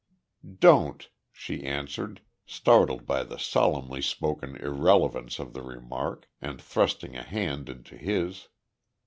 "Don't," she answered, startled by the solemnly spoken irrelevance of the remark, and thrusting a hand into his.